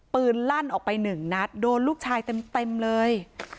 ลั่นออกไปหนึ่งนัดโดนลูกชายเต็มเลย